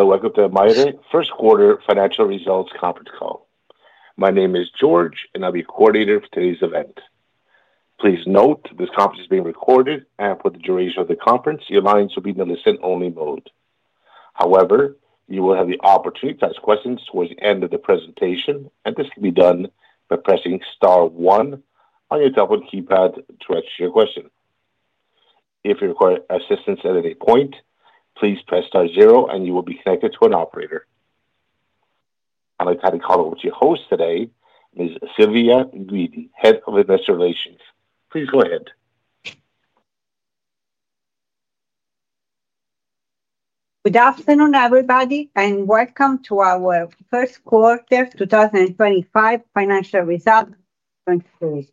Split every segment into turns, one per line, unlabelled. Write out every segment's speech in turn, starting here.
Welcome to the Maire First Quarter Financial Results Conference Call. My name is George, and I'll be your coordinator for today's event. Please note this conference is being recorded, and for the duration of the conference, your lines will be in the listen-only mode. However, you will have the opportunity to ask questions towards the end of the presentation, and this can be done by pressing Star 1 on your telephone keypad to register your question. If you require assistance at any point, please press Star 0, and you will be connected to an operator. I'd like to have you call over to your host today, Ms. Silvia Guidi, Head of Investor Relations. Please go ahead.
Good afternoon, everybody, and welcome to our First Quarter 2025 Financial Results Conference.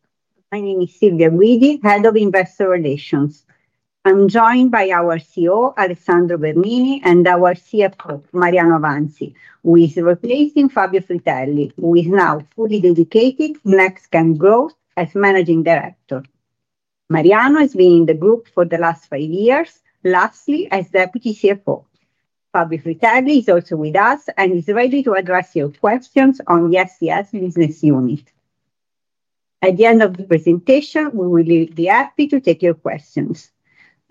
My name is Silvia Guidi, Head of Investor Relations. I'm joined by our CEO, Alessandro Bernini, and our CFO, Mariano Avanzi, who is replacing Fabrizio Di Amato, who is now fully dedicated to NextChem Growth as Managing Director. Mariano has been in the group for the last five years, lastly as Deputy CFO. Fabrizio Di Amato is also with us and is ready to address your questions on the STS Business Unit. At the end of the presentation, we will be happy to take your questions.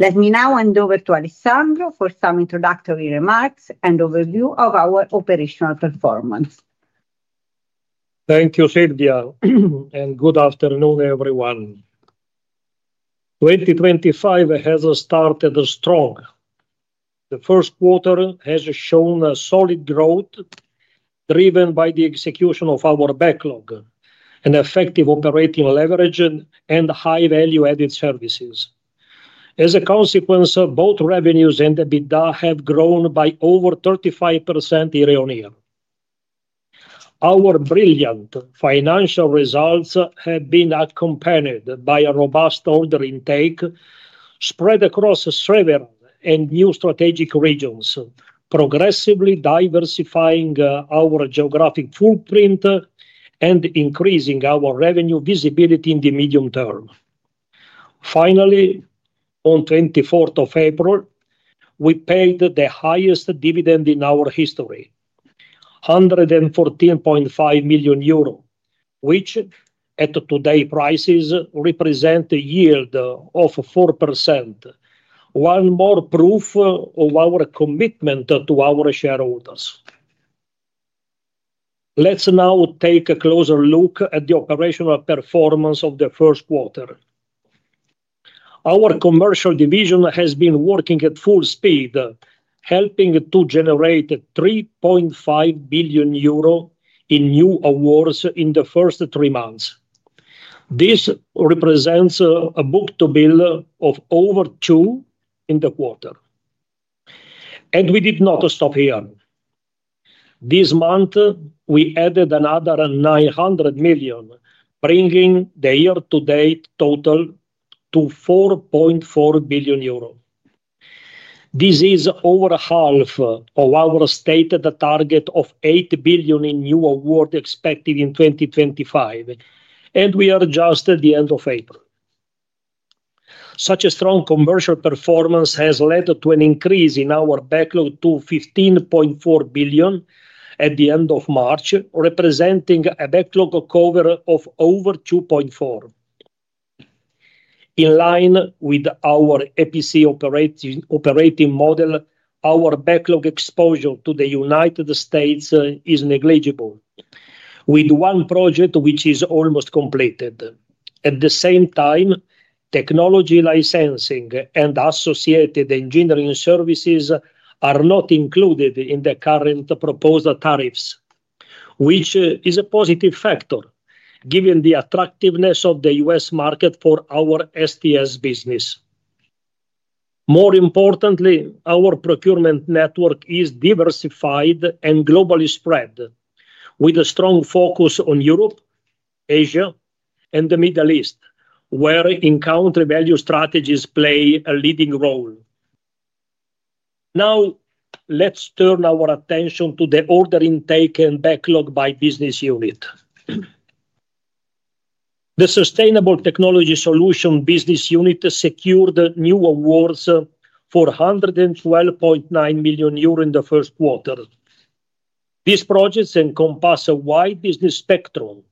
Let me now hand over to Alessandro for some introductory remarks and overview of our operational performance.
Thank you, Silvia, and good afternoon, everyone. 2025 has started strong. The first quarter has shown solid growth driven by the execution of our backlog, an effective operating leverage, and high-value-added services. As a consequence, both revenues and EBITDA have grown by over 35% year-on-year. Our brilliant financial results have been accompanied by a robust order intake spread across several and new strategic regions, progressively diversifying our geographic footprint and increasing our revenue visibility in the medium term. Finally, on April 24th, we paid the highest dividend in our history, 114.5 million euro, which, at today's prices, represents a yield of 4%, one more proof of our commitment to our shareholders. Let's now take a closer look at the operational performance of the first quarter. Our Commercial Division has been working at full speed, helping to generate 3.5 billion euro in new awards in the first three months. This represents a book to bill of over 2 in the quarter. We did not stop here. This month, we added another 900 million, bringing the year-to-date total to 4.4 billion euro. This is over half of our stated target of 8 billion in new awards expected in 2025, and we are just at the end of April. Such a strong commercial performance has led to an increase in our backlog to 15.4 billion at the end of March, representing a backlog cover of over 2.4. In line with our EPC operating model, our backlog exposure to the U.S. is negligible, with one project which is almost completed. At the same time, technology licensing and associated engineering services are not included in the current proposed tariffs, which is a positive factor given the attractiveness of the U.S. market for our STS business. More importantly, our procurement network is diversified and globally spread, with a strong focus on Europe, Asia, and the Middle East, where in-country value strategies play a leading role. Now, let's turn our attention to the order intake and backlog by business unit. The Sustainable Technology Solutions Business Unit secured new awards for 112.9 million euro in the first quarter. These projects encompass a wide business spectrum,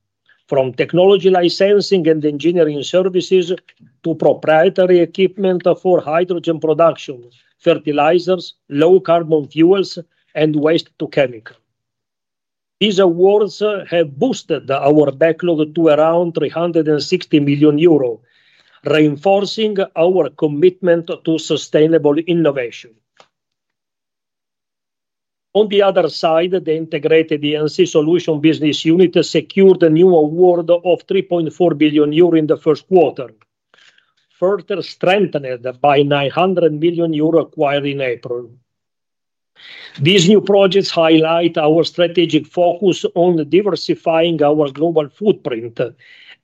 from technology licensing and engineering services to proprietary equipment for hydrogen production, fertilizers, low-carbon fuels, and waste-to-chemical. These awards have boosted our backlog to around 360 million euro, reinforcing our commitment to sustainable innovation. On the other side, the Integrated EPC Solution Business Unit secured a new award of 3.4 billion euro in the first quarter, further strengthened by 900 million euro acquired in April. These new projects highlight our strategic focus on diversifying our global footprint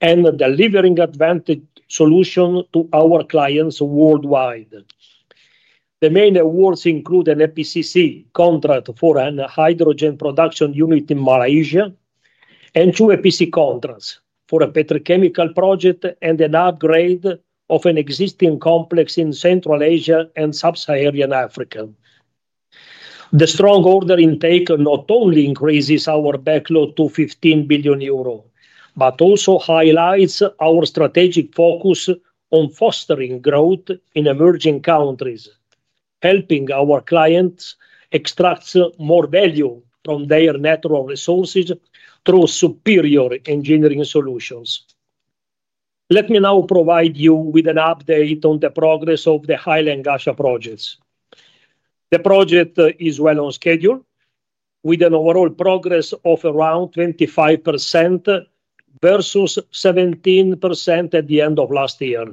and delivering advantaged solutions to our clients worldwide. The main awards include an EPCC contract for a hydrogen production unit in Malaysia and two EPC contracts for a petrochemical project and an upgrade of an existing complex in Central Asia and sub-Saharan Africa. The strong order intake not only increases our backlog to 15 billion euro, but also highlights our strategic focus on fostering growth in emerging countries, helping our clients extract more value from their natural resources through superior engineering solutions. Let me now provide you with an update on the progress of the Hail and Ghasha projects. The project is well on schedule, with an overall progress of around 25% versus 17% at the end of last year.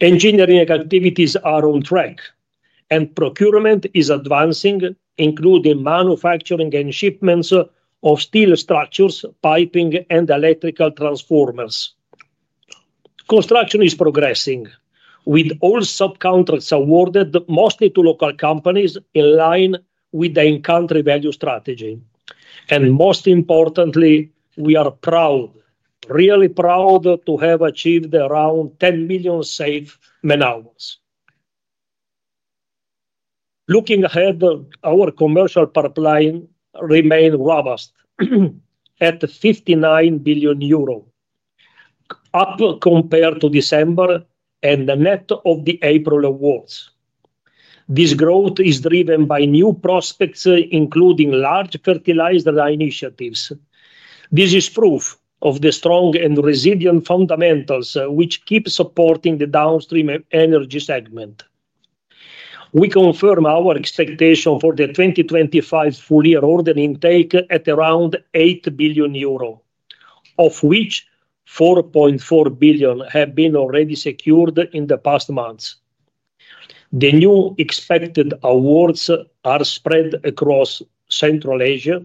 Engineering activities are on track, and procurement is advancing, including manufacturing and shipments of steel structures, piping, and electrical transformers. Construction is progressing, with all subcontracts awarded mostly to local companies in line with the in-country value strategy. Most importantly, we are proud, really proud to have achieved around 10 million saved man-hours. Looking ahead, our commercial pipeline remains robust at 59 billion euro, up compared to December and net of the April awards. This growth is driven by new prospects, including large fertilizer initiatives. This is proof of the strong and resilient fundamentals which keep supporting the downstream energy segment. We confirm our expectation for the 2025 full-year order intake at around 8 billion euro, of which 4.4 billion have been already secured in the past months. The new expected awards are spread across Central Asia,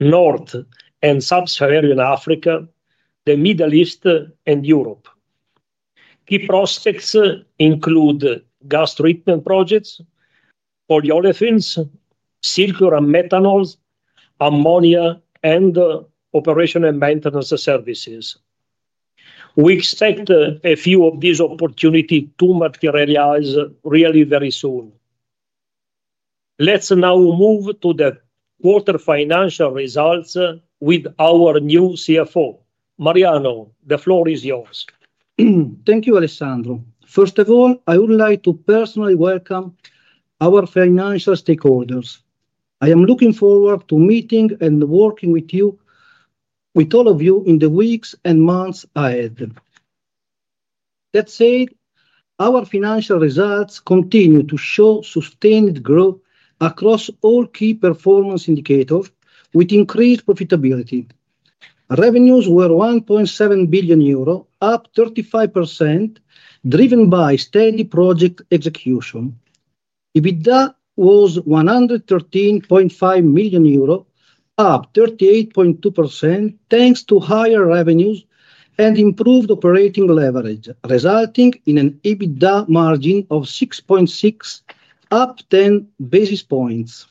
North and sub-Saharan Africa, the Middle East, and Europe. Key prospects include gas treatment projects, polyolefins, circular methanol, ammonia, and operational maintenance services. We expect a few of these opportunities to materialize really very soon. Let's now move to the quarter financial results with our new CFO. Mariano, the floor is yours.
Thank you, Alessandro. First of all, I would like to personally welcome our financial stakeholders. I am looking forward to meeting and working with you, with all of you, in the weeks and months ahead. That said, our financial results continue to show sustained growth across all key performance indicators, with increased profitability. Revenues were 1.7 billion euro, up 35%, driven by steady project execution. EBITDA was 113.5 million euro, up 38.2%, thanks to higher revenues and improved operating leverage, resulting in an EBITDA margin of 6.6, up 10 basis points.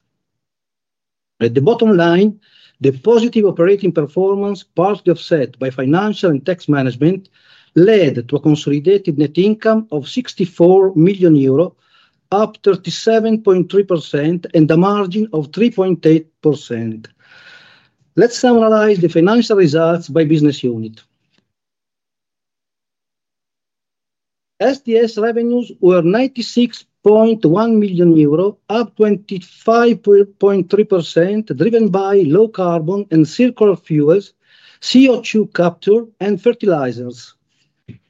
At the bottom line, the positive operating performance, partly offset by financial and tax management, led to a consolidated net income of 64 million euro, up 37.3%, and a margin of 3.8%. Let's summarize the financial results by business unit. STS revenues were 96.1 million euro, up 25.3%, driven by low carbon and circular fuels, CO2 capture, and fertilizers.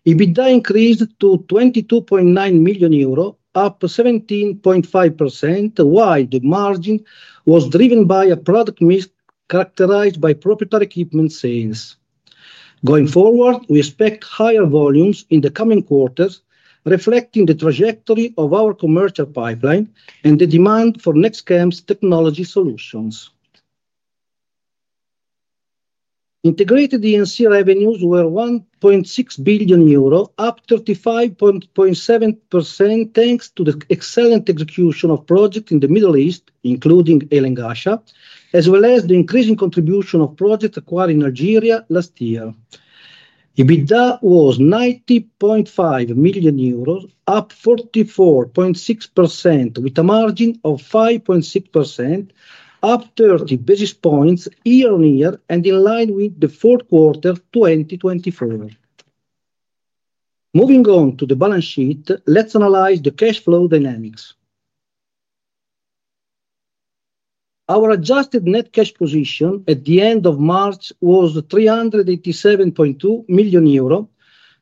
EBITDA increased to 22.9 million euro, up 17.5%, while the margin was driven by a product mix characterized by proprietary equipment sales. Going forward, we expect higher volumes in the coming quarters, reflecting the trajectory of our commercial pipeline and the demand for NextChem technology solutions. Integrated EPC revenues were 1.6 billion euro, up 35.7%, thanks to the excellent execution of projects in the Middle East, including Hail and Ghasha, as well as the increasing contribution of projects acquired in Nigeria last year. EBITDA was 90.5 million euros, up 44.6%, with a margin of 5.6%, up 30 basis points year-on-year and in line with the fourth quarter 2024. Moving on to the balance sheet, let's analyze the cash flow dynamics. Our adjusted net cash position at the end of March was 387.2 million euro,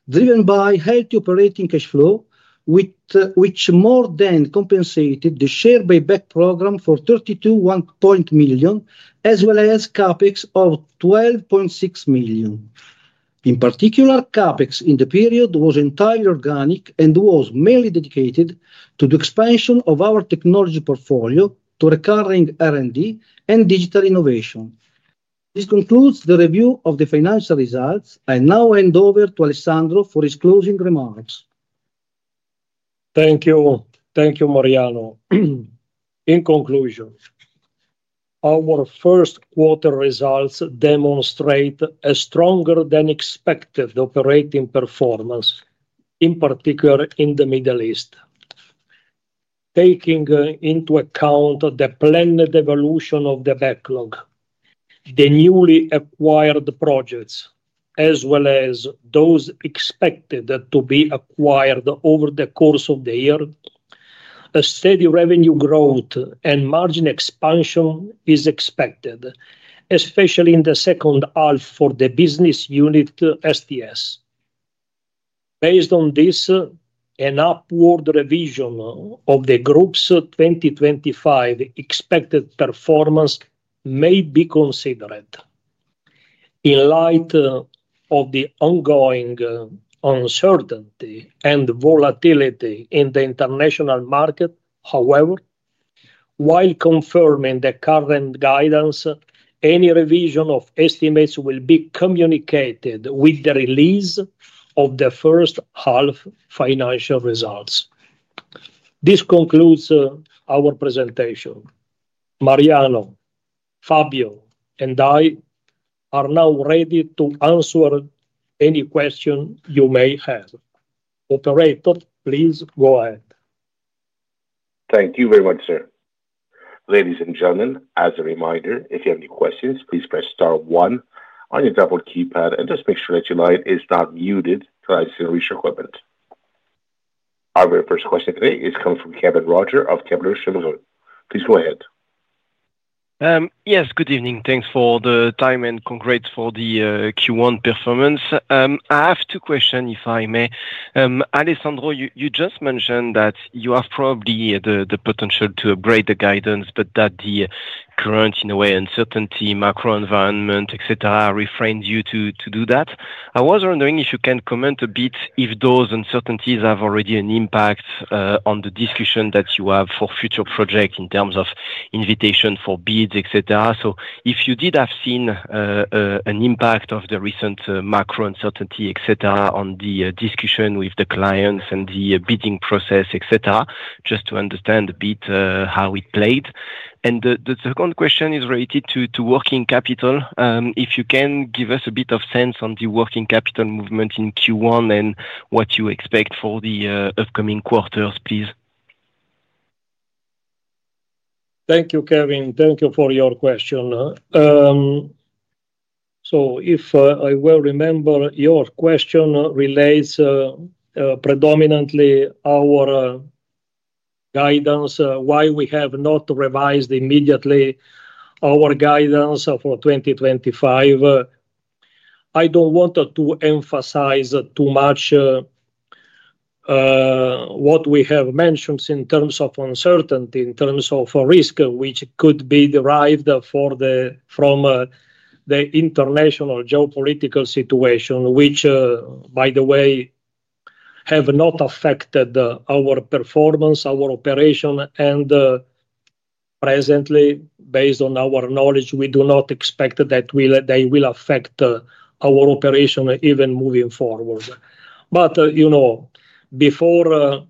driven by healthy operating cash flow, which more than compensated the share buyback program for 32.1 million, as well as CapEx of 12.6 million. In particular, CapEx in the period was entirely organic and was mainly dedicated to the expansion of our technology portfolio to recurring R&D and digital innovation. This concludes the review of the financial results. I now hand over to Alessandro for his closing remarks.
Thank you. Thank you, Mariano. In conclusion, our first quarter results demonstrate a stronger-than-expected operating performance, in particular in the Middle East. Taking into account the planned evolution of the backlog, the newly acquired projects, as well as those expected to be acquired over the course of the year, a steady revenue growth and margin expansion is expected, especially in the second half for the business unit STS. Based on this, an upward revision of the group's 2025 expected performance may be considered. In light of the ongoing uncertainty and volatility in the international market, however, while confirming the current guidance, any revision of estimates will be communicated with the release of the first half financial results. This concludes our presentation. Mariano, Fabrizio, and I are now ready to answer any questions you may have. Operator, please go ahead.
Thank you very much, sir. Ladies and gentlemen, as a reminder, if you have any questions, please press star one on your double keypad and just make sure that your line is not muted to listen to your equipment. Our very first question today is coming from Kevin Roger of Kepler Cheuvreux. Please go ahead. Yes, good evening. Thanks for the time and congrats for the Q1 performance. I have two questions, if I may. Alessandro, you just mentioned that you have probably the potential to upgrade the guidance, but that the current, in a way, uncertainty, macro environment, etc., are refrained you to do that. I was wondering if you can comment a bit if those uncertainties have already an impact on the discussion that you have for future projects in terms of invitation for bids, etc. If you did have seen an impact of the recent macro uncertainty, etc., on the discussion with the clients and the bidding process, etc., just to understand a bit how it played. The second question is related to working capital. If you can give us a bit of sense on the working capital movement in Q1 and what you expect for the upcoming quarters, please.
Thank you, Kevin. Thank you for your question. If I well remember, your question relates predominantly to our guidance, why we have not revised immediately our guidance for 2025. I do not want to emphasize too much what we have mentioned in terms of uncertainty, in terms of risk, which could be derived from the international geopolitical situation, which, by the way, have not affected our performance, our operation. Presently, based on our knowledge, we do not expect that they will affect our operation even moving forward. Before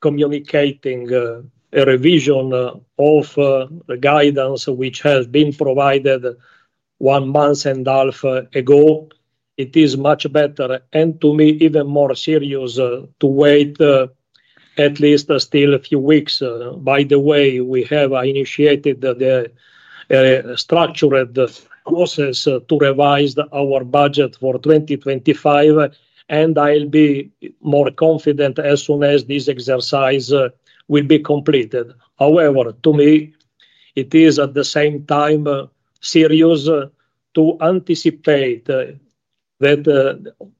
communicating a revision of the guidance, which has been provided one month and a half ago, it is much better, and to me, even more serious, to wait at least still a few weeks. By the way, we have initiated the structured process to revise our budget for 2025, and I'll be more confident as soon as this exercise will be completed. However, to me, it is at the same time serious to anticipate that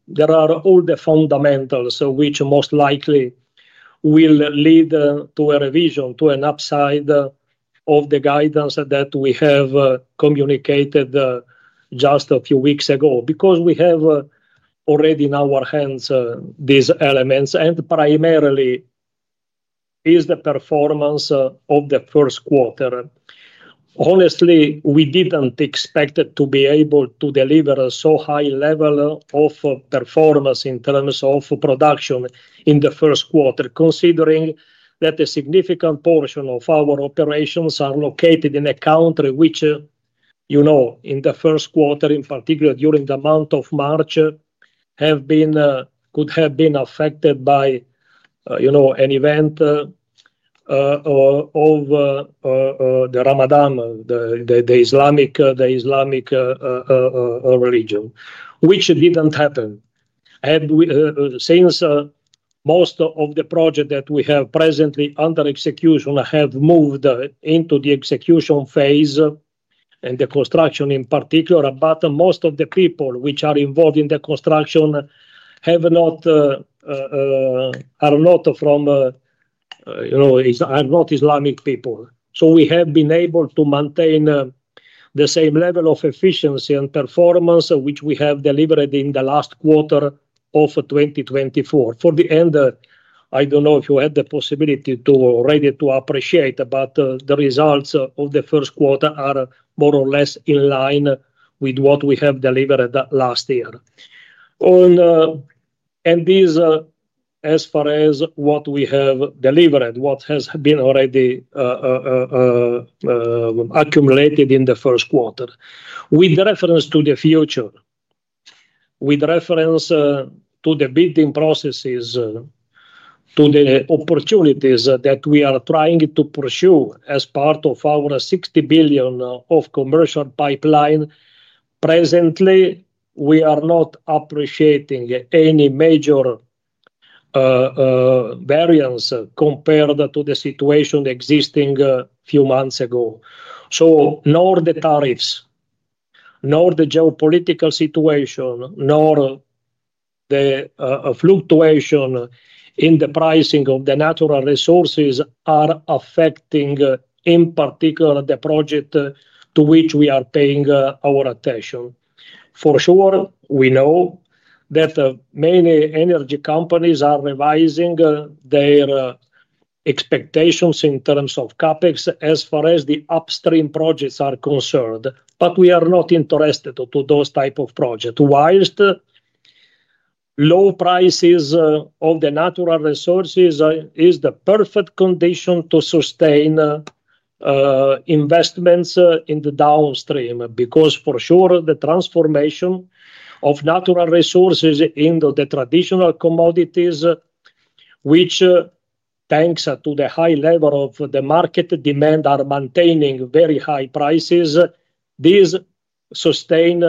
there are all the fundamentals which most likely will lead to a revision, to an upside of the guidance that we have communicated just a few weeks ago, because we have already in our hands these elements, and primarily is the performance of the first quarter. Honestly, we didn't expect to be able to deliver a so high level of performance in terms of production in the first quarter, considering that a significant portion of our operations are located in a country which, you know, in the first quarter, in particular during the month of March, could have been affected by an event of the Ramadan, the Islamic religion, which didn't happen. Since most of the projects that we have presently under execution have moved into the execution phase and the construction in particular, most of the people which are involved in the construction are not from, you know, are not Islamic people. We have been able to maintain the same level of efficiency and performance which we have delivered in the last quarter of 2024. For the end, I don't know if you had the possibility to already appreciate, but the results of the first quarter are more or less in line with what we have delivered last year. This, as far as what we have delivered, what has been already accumulated in the first quarter, with reference to the future, with reference to the bidding processes, to the opportunities that we are trying to pursue as part of our 60 billion of commercial pipeline, presently, we are not appreciating any major variance compared to the situation existing a few months ago. Nor the tariffs, nor the geopolitical situation, nor the fluctuation in the pricing of the natural resources are affecting, in particular, the project to which we are paying our attention. For sure, we know that many energy companies are revising their expectations in terms of CapEx as far as the upstream projects are concerned, but we are not interested in those types of projects. Whilst low prices of the natural resources are the perfect condition to sustain investments in the downstream, because for sure, the transformation of natural resources into the traditional commodities, which, thanks to the high level of the market demand, are maintaining very high prices, these sustain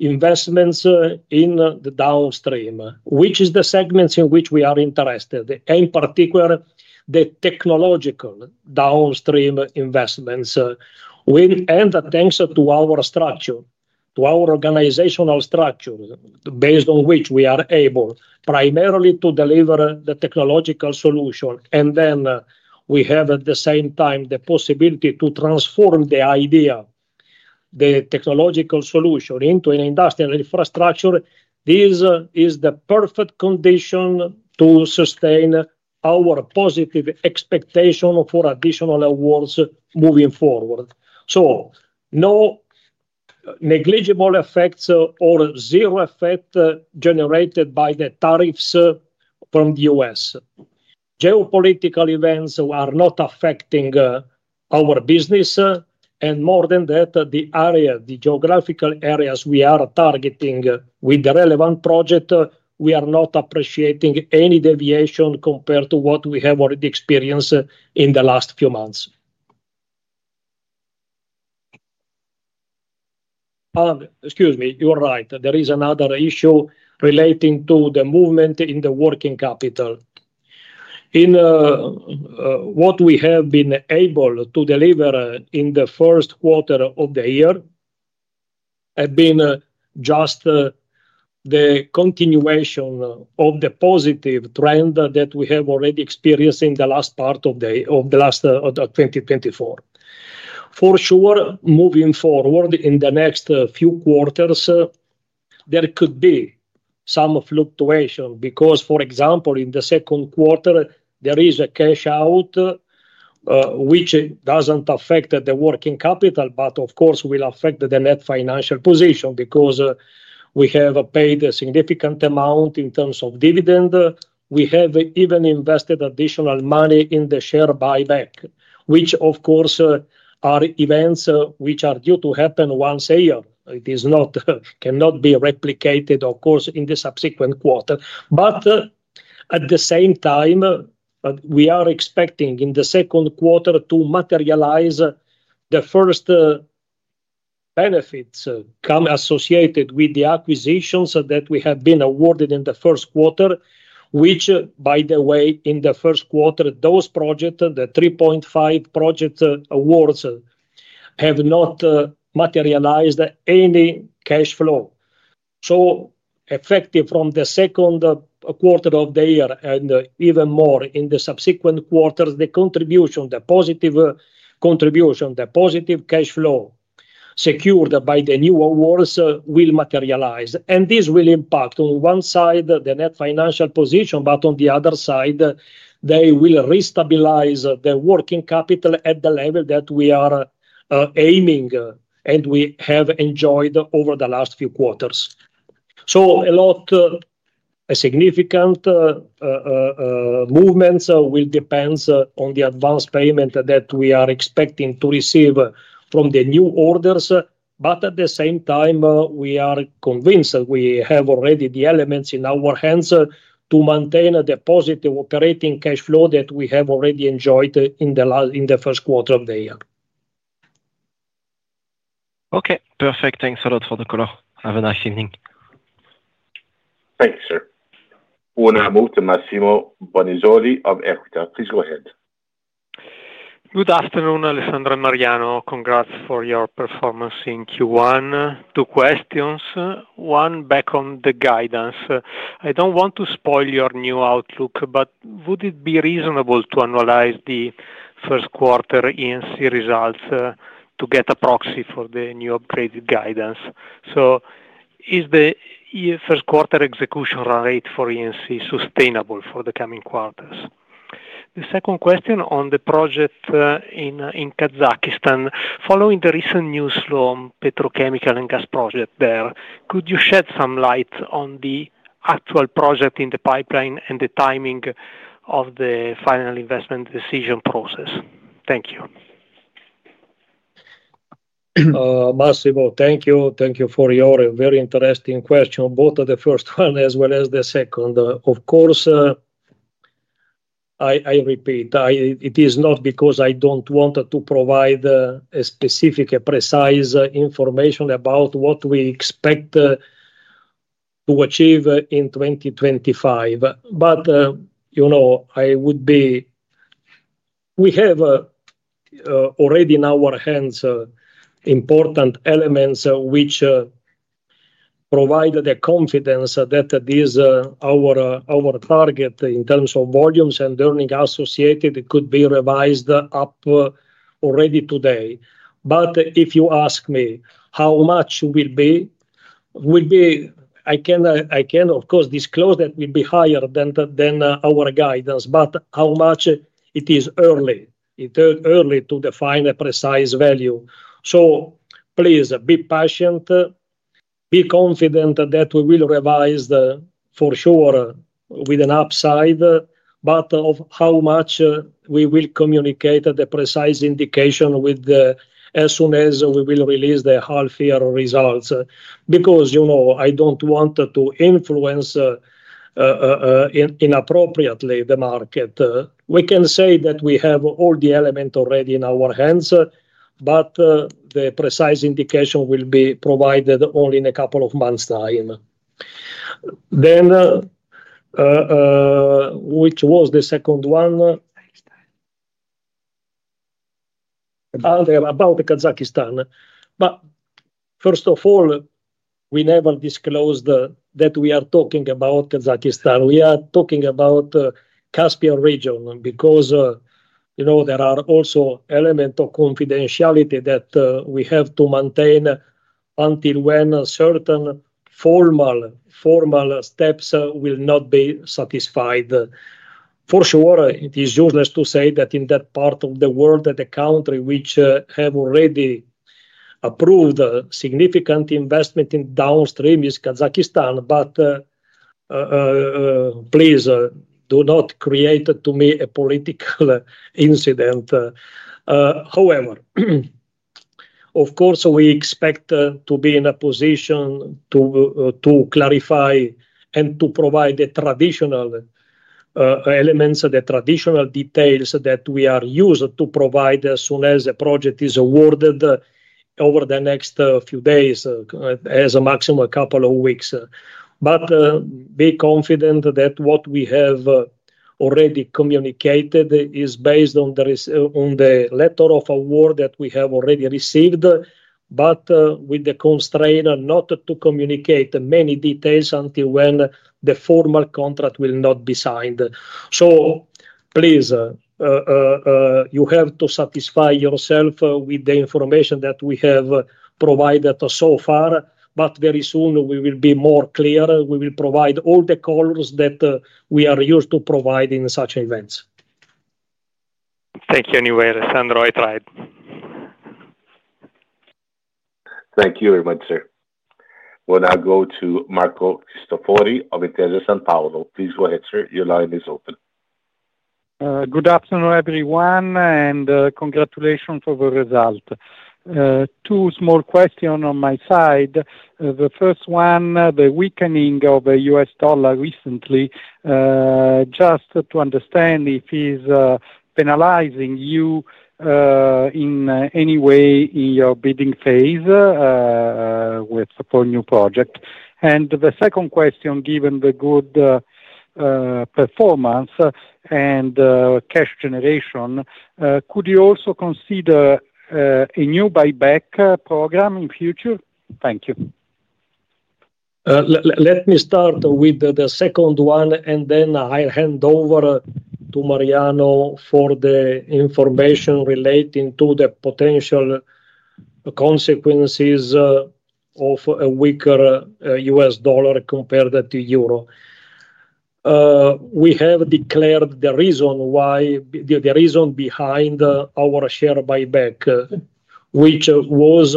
investments in the downstream, which is the segments in which we are interested, in particular the technological downstream investments. Thanks to our structure, to our organizational structure, based on which we are able primarily to deliver the technological solution, and then we have at the same time the possibility to transform the idea, the technological solution into an industrial infrastructure, this is the perfect condition to sustain our positive expectation for additional awards moving forward. No negligible effects or zero effect generated by the tariffs from the U.S. Geopolitical events are not affecting our business, and more than that, the area, the geographical areas we are targeting with the relevant project, we are not appreciating any deviation compared to what we have already experienced in the last few months. Excuse me, you're right. There is another issue relating to the movement in the working capital. In what we have been able to deliver in the first quarter of the year has been just the continuation of the positive trend that we have already experienced in the last part of 2024. For sure, moving forward in the next few quarters, there could be some fluctuation because, for example, in the second quarter, there is a cash out which does not affect the working capital, but of course, will affect the net financial position because we have paid a significant amount in terms of dividend. We have even invested additional money in the share buyback, which, of course, are events which are due to happen once a year. It cannot be replicated, of course, in the subsequent quarter. At the same time, we are expecting in the second quarter to materialize the first benefits associated with the acquisitions that we have been awarded in the first quarter, which, by the way, in the first quarter, those projects, the 3.5 billion project awards, have not materialized any cash flow. Effective from the second quarter of the year and even more in the subsequent quarters, the contribution, the positive contribution, the positive cash flow secured by the new awards will materialize. This will impact on one side the net financial position, but on the other side, they will re-stabilize the working capital at the level that we are aiming and we have enjoyed over the last few quarters. A lot of significant movements will depend on the advance payment that we are expecting to receive from the new orders, but at the same time, we are convinced that we have already the elements in our hands to maintain the positive operating cash flow that we have already enjoyed in the first quarter of the year. Okay. Perfect. Thanks a lot, Fabrizio. Have a nice evening.
Thanks, sir. And now to Massimo Bonisoli of Equita. Please go ahead. Good afternoon, Alessandro and Mariano. Congrats for your performance in Q1. Two questions. One back on the guidance. I don't want to spoil your new outlook, but would it be reasonable to analyze the first quarter ENC results to get a proxy for the new upgraded guidance? Is the first quarter execution rate for ENC sustainable for the coming quarters? The second question on the project in Kazakhstan. Following the recent news on the petrochemical and gas project there, could you shed some light on the actual project in the pipeline and the timing of the final investment decision process? Thank you.
Massimo, thank you. Thank you for your very interesting question, both the first one as well as the second. Of course, I repeat, it is not because I do not want to provide specific, precise information about what we expect to achieve in 2025, but I would say we have already in our hands important elements which provide the confidence that our target in terms of volumes and earnings associated could be revised up already today. If you ask me how much it will be, I can, of course, disclose that it will be higher than our guidance, but how much it is early, early to define a precise value. Please be patient, be confident that we will revise for sure with an upside, but of how much we will communicate the precise indication as soon as we will release the half-year results, because I do not want to influence inappropriately the market. We can say that we have all the elements already in our hands, but the precise indication will be provided only in a couple of months' time. Which was the second one? About Kazakhstan. First of all, we never disclosed that we are talking about Kazakhstan. We are talking about the Caspian region because there are also elements of confidentiality that we have to maintain until when certain formal steps will not be satisfied. For sure, it is useless to say that in that part of the world, the country which has already approved significant investment in downstream is Kazakhstan, but please do not create to me a political incident. However, of course, we expect to be in a position to clarify and to provide the traditional elements, the traditional details that we are used to provide as soon as the project is awarded over the next few days, as a maximum a couple of weeks. Please be confident that what we have already communicated is based on the letter of award that we have already received, but with the constraint not to communicate many details until when the formal contract will not be signed. You have to satisfy yourself with the information that we have provided so far, but very soon we will be more clear. We will provide all the colors that we are used to provide in such events. Thank you anyway, Alessandro. I tried.
Thank you very much, sir. We will now go to Marco Cristofori of Intesa Sanpaolo. Please go ahead, sir. Your line is open. Good afternoon, everyone, and congratulations for the result. Two small questions on my side. The first one, the weakening of the U.S. dollar recently, just to understand if it is penalizing you in any way in your bidding phase with the new project. The second question, given the good performance and cash generation, could you also consider a new buyback program in the future? Thank you.
Let me start with the second one, and then I'll hand over to Mariano for the information relating to the potential consequences of a weaker U.S. dollar compared to euro. We have declared the reason why, the reason behind our share buyback, which was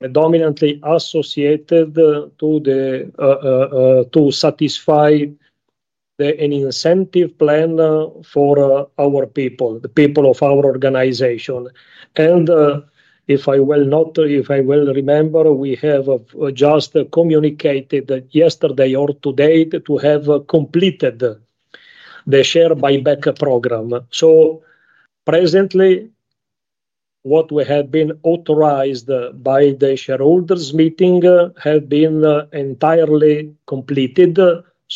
predominantly associated to satisfy an incentive plan for our people, the people of our organization. If I remember, we have just communicated yesterday or today to have completed the share buyback program. Presently, what we have been authorized by the shareholders' meeting has been entirely completed.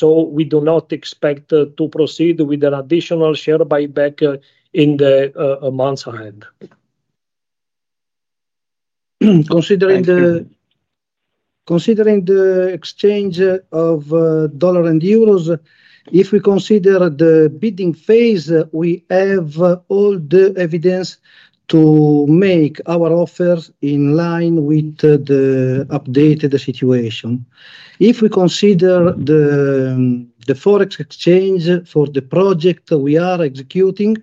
We do not expect to proceed with an additional share buyback in the months ahead.
Considering the exchange of dollars and euros, if we consider the bidding phase, we have all the evidence to make our offers in line with the updated situation. If we consider the forex exchange for the project we are executing,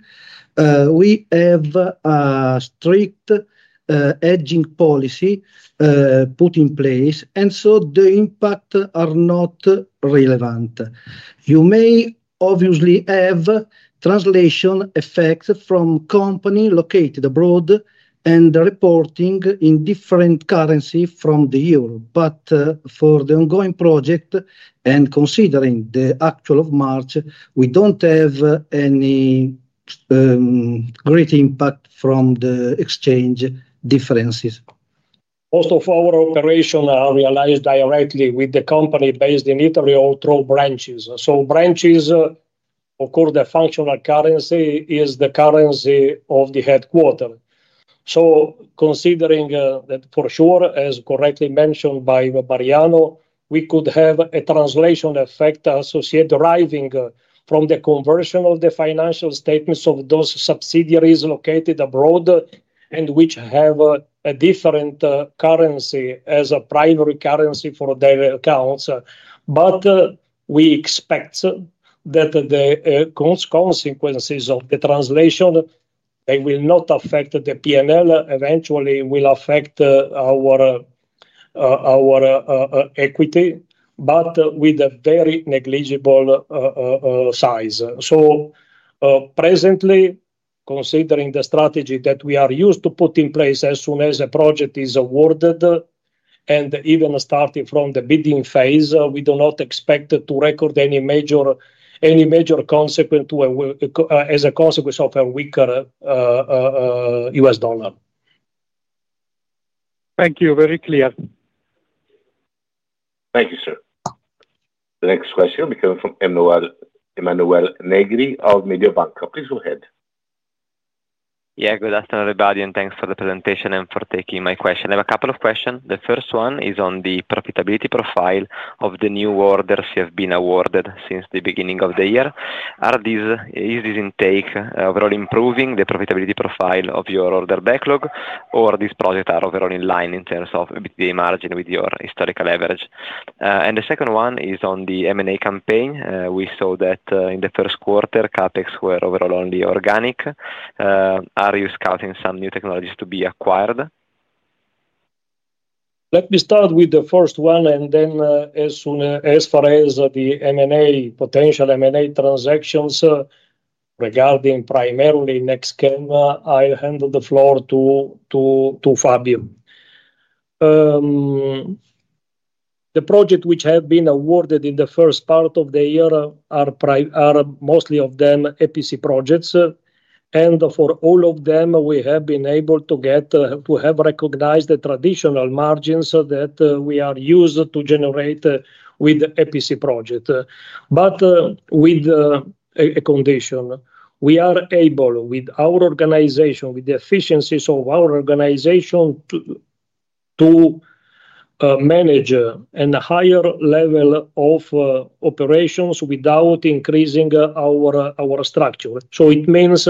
we have a strict hedging policy put in place, and so the impacts are not relevant. You may obviously have translation effects from companies located abroad and reporting in different currencies from the euro. For the ongoing project and considering the actual of March, we do not have any great impact from the exchange differences.
Most of our operations are realized directly with the company based in Italy or through branches. Branches, of course, the functional currency is the currency of the headquarter. Considering that, for sure, as correctly mentioned by Mariano, we could have a translation effect associated deriving from the conversion of the financial statements of those subsidiaries located abroad and which have a different currency as a primary currency for their accounts. We expect that the consequences of the translation, they will not affect the P&L, eventually will affect our equity, but with a very negligible size. Presently, considering the strategy that we are used to put in place as soon as a project is awarded and even starting from the bidding phase, we do not expect to record any major consequence as a consequence of a weaker U.S. dollar. Thank you. Very clear.
Thank you, sir. The next question will be from Emanuele Negri of Mediobanca. Please go ahead.
Yeah, good afternoon, everybody, and thanks for the presentation and for taking my question. I have a couple of questions. The first one is on the profitability profile of the new orders that have been awarded since the beginning of the year. Is this intake overall improving the profitability profile of your order backlog, or are these projects overall in line in terms of the margin with your historical leverage? The second one is on the M&A campaign. We saw that in the first quarter, CapEx were overall only organic. Are you scouting some new technologies to be acquired?
Let me start with the first one, and then as far as the M&A, potential M&A transactions regarding primarily NextChem, I'll hand the floor to Fabio. The projects which have been awarded in the first part of the year are mostly of them EPC projects. For all of them, we have been able to have recognized the traditional margins that we are used to generate with EPC projects, with a condition. We are able, with our organization, with the efficiencies of our organization, to manage a higher level of operations without increasing our structure. It means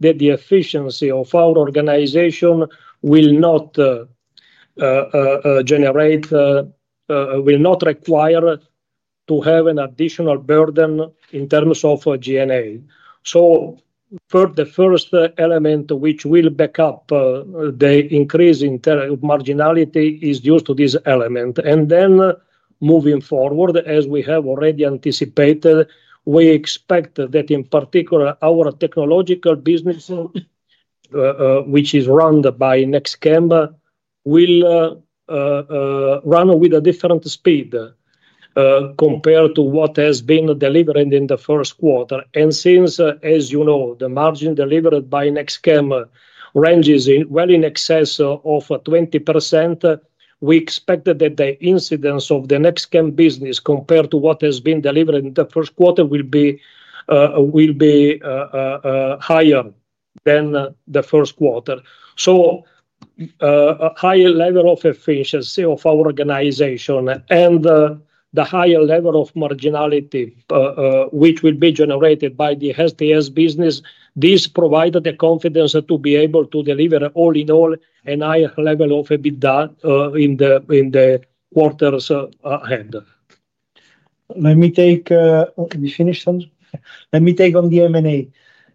that the efficiency of our organization will not require to have an additional burden in terms of G&A. The first element which will back up the increase in marginality is due to this element. Moving forward, as we have already anticipated, we expect that in particular, our technological business, which is run by NextChem, will run with a different speed compared to what has been delivered in the first quarter. And since, as you know, the margin delivered by NextChem ranges well in excess of 20%, we expect that the incidence of the NextChem business compared to what has been delivered in the first quarter will be higher than the first quarter. So a higher level of efficiency of our organization and the higher level of marginality which will be generated by the STS business, this provided the confidence to be able to deliver all in all a higher level of EBITDA in the quarter ahead.
Let me take on the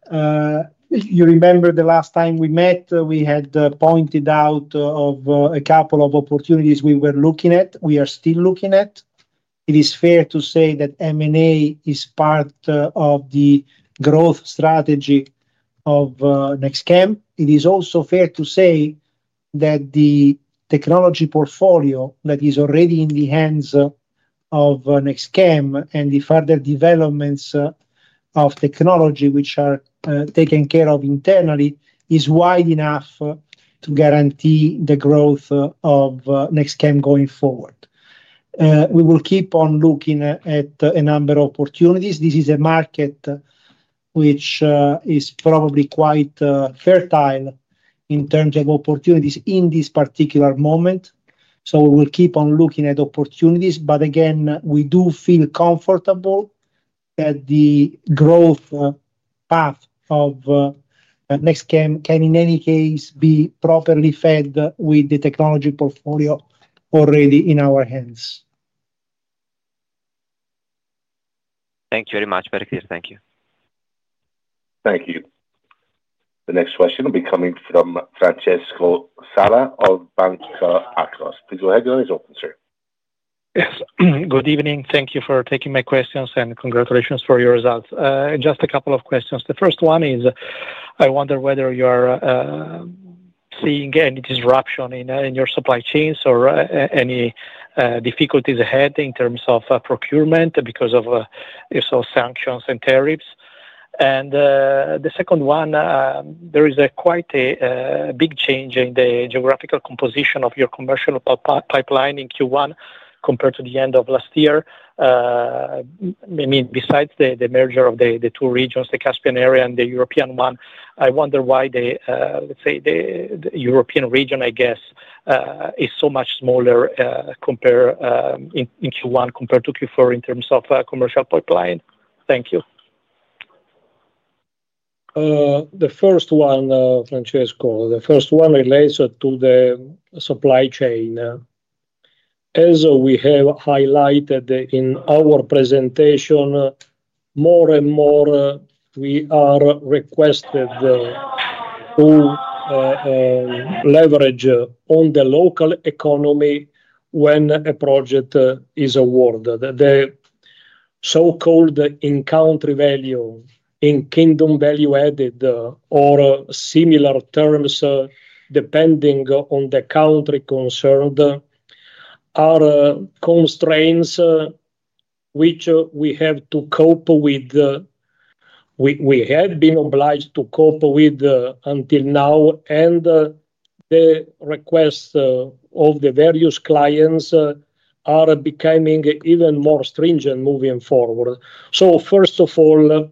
M&A. You remember the last time we met, we had pointed out a couple of opportunities we were looking at, we are still looking at. It is fair to say that M&A is part of the growth strategy of NextChem. It is also fair to say that the technology portfolio that is already in the hands of NextChem and the further developments of technology which are taken care of internally is wide enough to guarantee the growth of NextChem going forward. We will keep on looking at a number of opportunities. This is a market which is probably quite fertile in terms of opportunities in this particular moment. We will keep on looking at opportunities. Again, we do feel comfortable that the growth path of NextChem can in any case be properly fed with the technology portfolio already in our hands.
Thank you very much. Very clear. Thank you.
Thank you. The next question will be coming from Francesco Sala of Banca Akros. Please go ahead. The line is open, sir. Yes. Good evening. Thank you for taking my questions and congratulations for your results. Just a couple of questions. The first one is I wonder whether you are seeing any disruption in your supply chains or any difficulties ahead in terms of procurement because of sanctions and tariffs. The second one, there is quite a big change in the geographical composition of your commercial pipeline in Q1 compared to the end of last year. I mean, besides the merger of the two regions, the Caspian area and the European one, I wonder why the, let's say, the European region, I guess, is so much smaller in Q1 compared to Q4 in terms of commercial pipeline. Thank you.
The first one, Francesco, the first one relates to the supply chain. As we have highlighted in our presentation, more and more we are requested to leverage on the local economy when a project is awarded. The so-called in-country value, in kingdom value-added or similar terms, depending on the country concerned, are constraints which we have to cope with. We have been obliged to cope with until now, and the requests of the various clients are becoming even more stringent moving forward. First of all,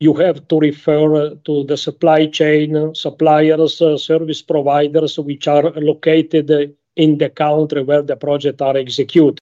you have to refer to the supply chain, suppliers, service providers which are located in the country where the projects are executed.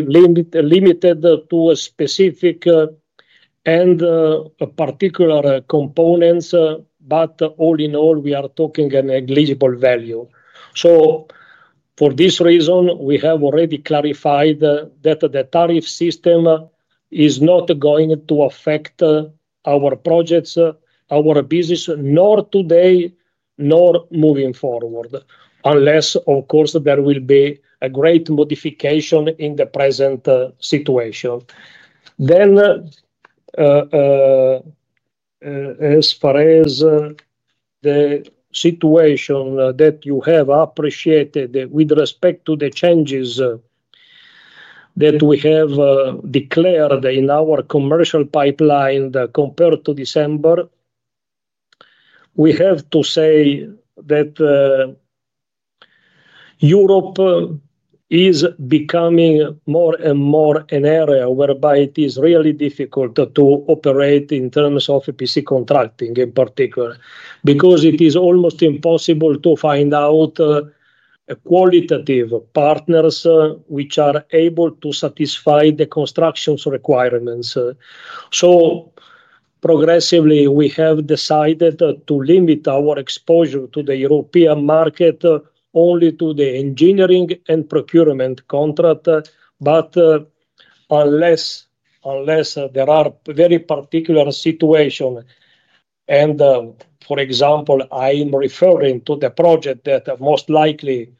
Limited to specific and particular components, but all in all, we are talking a negligible value. For this reason, we have already clarified that the tariff system is not going to affect our projects, our business, nor today, nor moving forward, unless, of course, there will be a great modification in the present situation. As far as the situation that you have appreciated with respect to the changes that we have declared in our commercial pipeline compared to December, we have to say that Europe is becoming more and more an area whereby it is really difficult to operate in terms of EPC contracting in particular because it is almost impossible to find out qualitative partners which are able to satisfy the construction requirements. Progressively, we have decided to limit our exposure to the European market only to the engineering and procurement contract, unless there are very particular situations. For example, I am referring to the project that most likely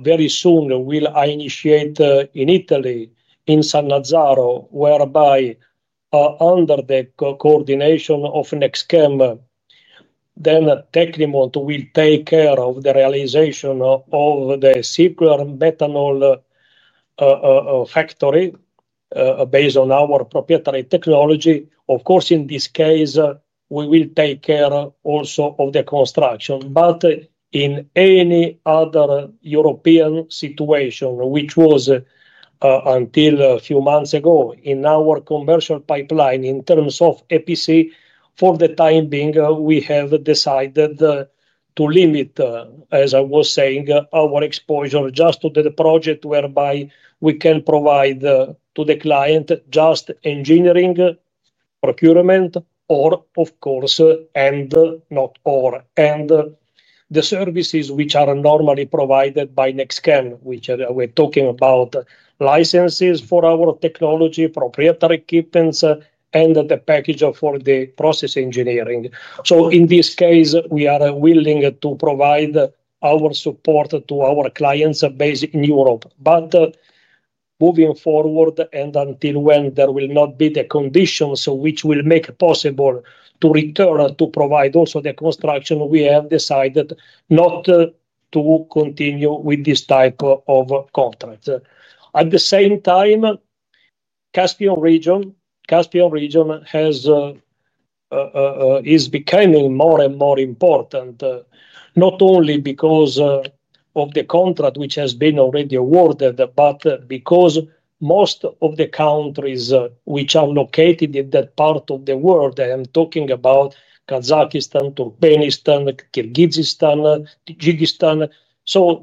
very soon will initiate in Italy, in Sannazzaro, whereby under the coordination of NextChem, then Tecnimont will take care of the realization of the circular methanol factory based on our proprietary technology. Of course, in this case, we will take care also of the construction. In any other European situation, which was until a few months ago in our commercial pipeline in terms of EPC, for the time being, we have decided to limit, as I was saying, our exposure just to the project whereby we can provide to the client just engineering, procurement, or, of course, and not or, and the services which are normally provided by NextChem, which we are talking about licenses for our technology, proprietary equipment, and the package for the process engineering. In this case, we are willing to provide our support to our clients based in Europe. Moving forward, and until when there will not be the conditions which will make it possible to return to provide also the construction, we have decided not to continue with this type of contract. At the same time, the Caspian region has become more and more important, not only because of the contract which has been already awarded, but because most of the countries which are located in that part of the world, I am talking about Kazakhstan, Turkmenistan, Kyrgyzstan, Tajikistan.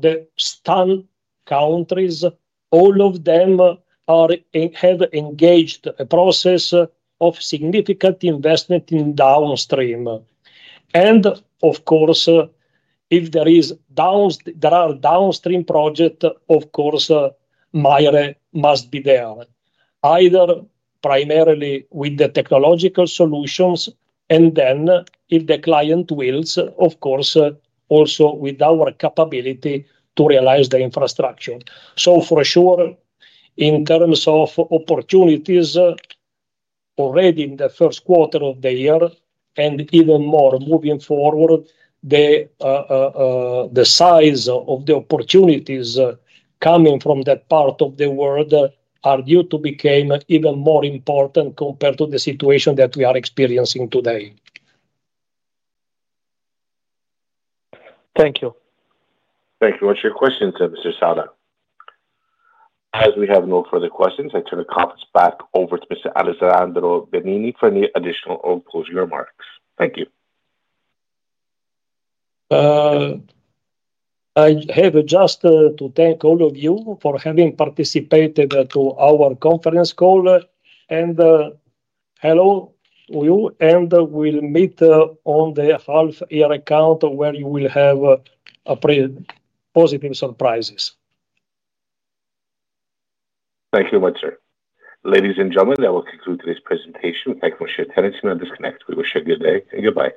The STAN countries, all of them have engaged a process of significant investment in downstream. Of course, if there are downstream projects, of course, Maire must be there, either primarily with the technological solutions and then, if the client wills, of course, also with our capability to realize the infrastructure. For sure, in terms of opportunities, already in the first quarter of the year and even more moving forward, the size of the opportunities coming from that part of the world are due to become even more important compared to the situation that we are experiencing today. Thank you.
Thank you. What's your question, Mr. Sala? As we have no further questions, I turn the conference back over to Mr. Alessandro Bernini for any additional or closing remarks. Thank you.
I have just to thank all of you for having participated in our conference call. Hello to you, and we will meet on the half-year account where you will have positive surprises.
Thank you very much, sir. Ladies and gentlemen, that will conclude today's presentation. Thank you for sharing your attendance. You may now disconnect. We wish you a good day and goodbye.